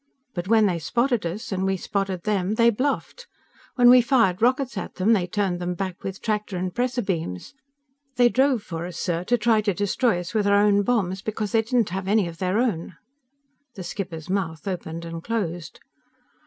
But when they spotted us, and we spotted them they bluffed! When we fired rockets at them, they turned them back with tractor and pressor beams. They drove for us, sir, to try to destroy us with our own bombs, because they didn't have any of their own." The skipper's mouth opened and closed.